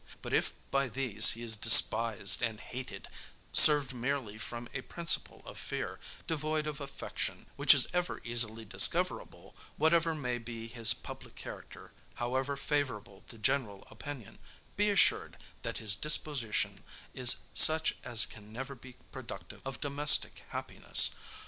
But if by these he is despised and hated, served merely from a principle of fear, devoid of affection, which is ever easily discoverable, whatever may be his public character, however favorable the general opinion, be assured, that his disposition is such as can never be productive of domestic happiness.